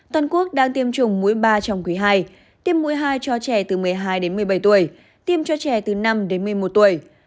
toàn quốc đang tiêm chủng mũi ba trong quý ii tiêm mũi hai cho trẻ từ một mươi hai đến một mươi bảy tuổi tiêm cho trẻ từ năm đến một mươi một tuổi